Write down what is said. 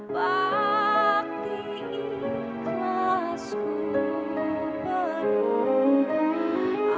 bakti ikhlas ku penuh